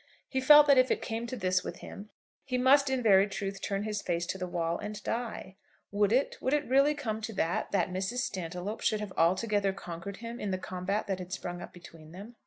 He felt that if it came to this with him he must in very truth turn his face to the wall and die. Would it, would it really come to that, that Mrs. Stantiloup should have altogether conquered him in the combat that had sprung up between them?